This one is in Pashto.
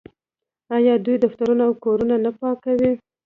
آیا دوی دفترونه او کورونه نه پاکوي؟